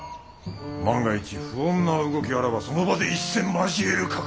万が一不穏な動きあらばその場で一戦交える覚悟で。